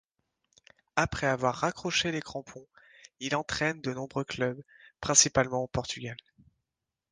Après avoir raccroché les crampons, il entraîne de nombreux clubs, principalement au Portugal.